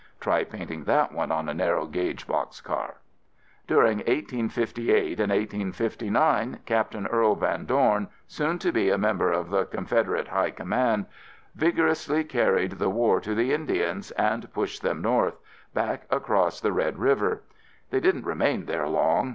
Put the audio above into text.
(Try painting that one on a narrow gauge box car!) During 1858 and 1859, Captain Earl Van Dorn, soon to be a member of the Confederate High Command, vigorously carried the war to the Indians and pushed them north, back across the Red River. They didn't remain there long.